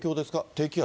低気圧？